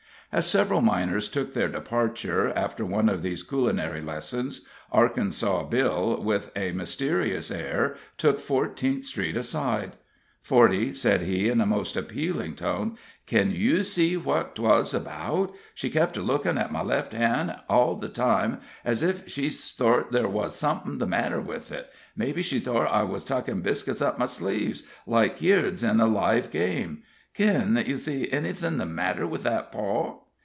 As several miners took their departure, after one of these culinary lessons, Arkansas Bill, with a mysterious air, took Fourteenth Street aside. "Forty," said he, in a most appealing tone, "ken you see what 'twas about? She kep' a lookin' at my left han' all the time, ez ef she thort there wuz somethin' the matter with it. Mebbe she thort I was tuckin' biscuits up my sleeves, like keerds in a live game. Ken you see any thin' the matter with that paw?"